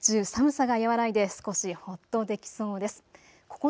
あすは日中、寒さが和らいで少しほっとできそうです。